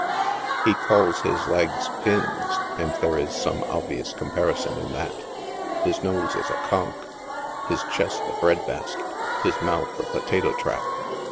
Ho calls his leg3 " pins," and there is some obvious comparison in that. His nose is a " conk," hi3 chest a " bread basket," his mouth a " potato trap."